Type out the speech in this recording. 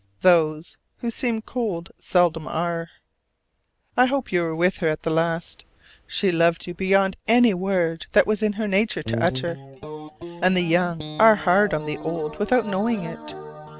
Those who seem cold seldom are. I hope you were with her at the last: she loved you beyond any word that was in her nature to utter, and the young are hard on the old without knowing it.